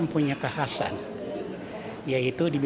untuk memiliki kehasan di bidang manajemen industri